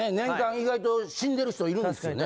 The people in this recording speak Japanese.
意外と死んでる人いるんですよね。